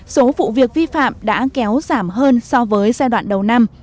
số vụ việc vi phạm đã kéo giảm hơn so với giai đoạn đầu năm